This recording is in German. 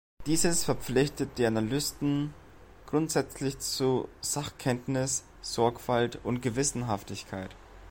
Dieses verpflichtet die Analysten grundsätzlich zu „Sachkenntnis, Sorgfalt und Gewissenhaftigkeit“.